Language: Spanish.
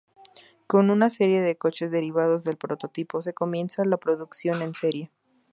Con una serie de coches derivados del prototipo se comienza la producción en serie.